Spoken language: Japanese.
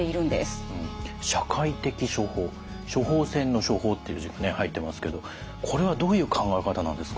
「処方せん」の「処方」っていう字が入ってますけどこれはどういう考え方なんですか？